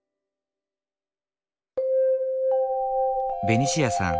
ベニシアさん